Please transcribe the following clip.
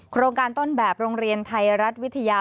โครงการต้นแบบโรงเรียนไทยรัฐวิทยา